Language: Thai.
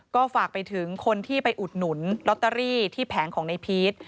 ก็ฝากไปถึงคนที่ไปอุดหนุนลอตเตอรี่ที่แผงของในพีช